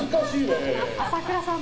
朝倉さん